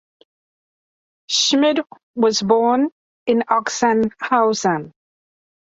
Schmid was born in Ochsenhausen.